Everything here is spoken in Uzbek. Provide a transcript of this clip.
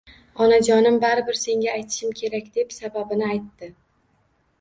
Onajonim baribir senga aytishim kerak, deb sababini aytdi